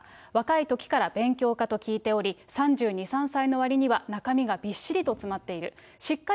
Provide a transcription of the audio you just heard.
若いときから勉強家と聞いており、３２、３歳のわりには、中身がびっしりと詰まっている。